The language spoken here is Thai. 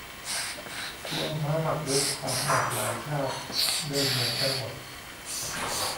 ตัวม้าหมากรุกของหมากหลายชาติ เดินเหมือนกันหมด